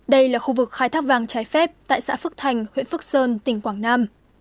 đây là khu vực khai thác vàng trái phép tại xã phước thành huyện phước sơn tỉnh quảng nam